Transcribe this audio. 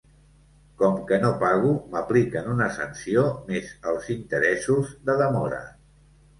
Com que no pago, m’apliquen una sanció, mes els interessos de demora.